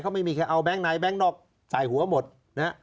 เขาไม่มีเอาแบงก์ไหนแบงก์นอกจ่ายหัวหมดนะฮะ